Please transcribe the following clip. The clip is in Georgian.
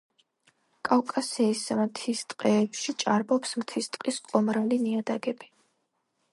კავკასიის მთის ტყეებში ჭარბობს მთის ტყის ყომრალი ნიადაგები.